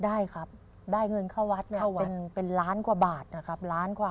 ได้ครับได้เงินข้าวศเป็นล้านครัวบาทนะครับ